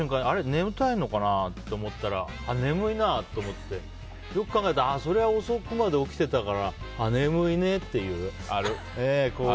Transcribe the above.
眠たいのかな？って思ったら眠いなと思って、よく考えたらああ、それは遅くまで起きてたから眠いねっていう。